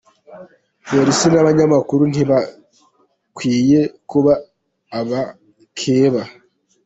Polisi n’abanyamakuru ntibakwiye kuba abakeba